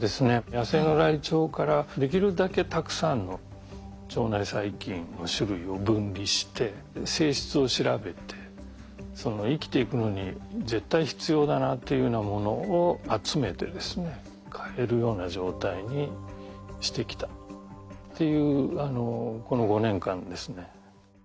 野生のライチョウからできるだけたくさんの腸内細菌の種類を分離して性質を調べてその生きていくのに絶対必要だなというようなものを集めてですね飼えるような状態にしてきたっていうこの５年間ですね。